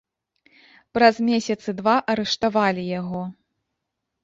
Праз месяцы два арыштавалі яго.